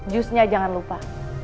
jusnya jangan lupa